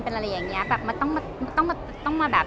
เป็นอะไรอย่างเงี้ยแบบมันต้องมาแบบ